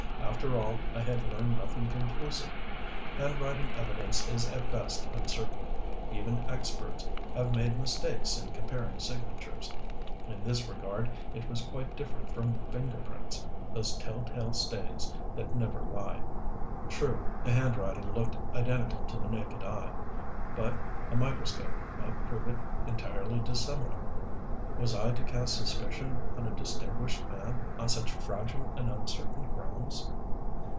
After all I had learned nothing conclusive. Handwriting evidence is at best uncertain; even experts have made mistakes in comparing signatures. In this regard it was quite different from finger prints those tell tale stains that never lie. True, the handwriting looked identical to the naked eye, but a microscope might prove it entirely dissimilar. Was I to cast suspicion on a distinguished man on such fragile and uncertain grounds?